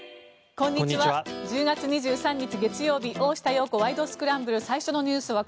こんにちは。